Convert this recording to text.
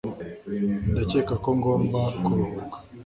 Ndakeka ko ngomba kuruhuka